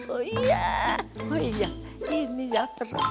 oh iya ini ya perut